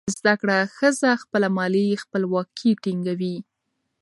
زده کړه ښځه خپله مالي خپلواکي ټینګوي.